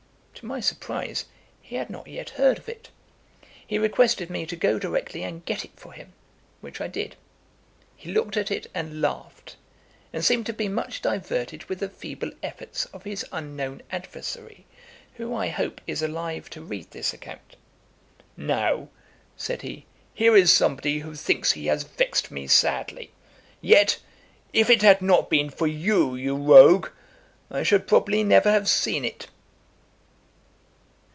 To my surprize, he had not yet heard of it. He requested me to go directly and get it for him, which I did. He looked at it and laughed, and seemed to be much diverted with the feeble efforts of his unknown adversary, who, I hope, is alive to read this account. 'Now (said he) here is somebody who thinks he has vexed me sadly; yet, if it had not been for you, you rogue, I should probably never have seen it.'